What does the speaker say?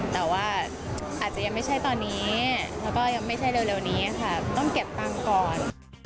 แต่ว่าอาจจะยังไม่ใช่ตอนนี้แล้วก็ยังไม่ใช่เร็วนี้ค่ะต้องเก็บตังค์ก่อน